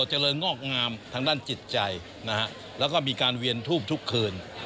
เจริญงอกงามทางด้านจิตใจนะฮะแล้วก็มีการเวียนทูบทุกคืน